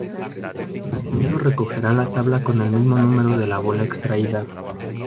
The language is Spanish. El compañero recogerá la tabla con el mismo número de la bola extraída.